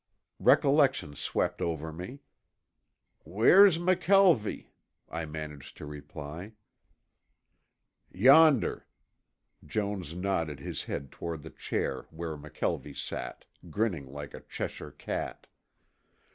Recollection swept over me. "Where's McKelvie?" I managed to reply. "Yonder." Jones nodded his head toward the chair where McKelvie sat, grinning like a Cheshire cat.